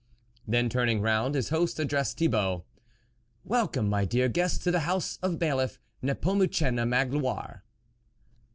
Then turning round, his lost addressed Thibault :" Welcome, my dear guest, to the house of Bailiff Nepomucene Magloire."